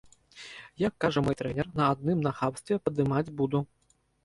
Як кажа мой трэнер, на адным нахабстве падымаць буду.